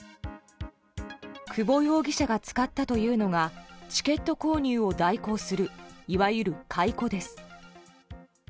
久保容疑者が使ったというのがチケット購入を代行するいわゆる買い子です。